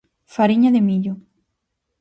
Fariña de millo.